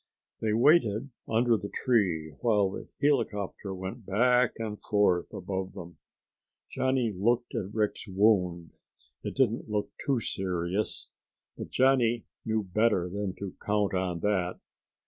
They waited under the tree while the helicopter went back and forth above them. Johnny looked at Rick's wound. It didn't look too serious, but Johnny knew better than to count on that.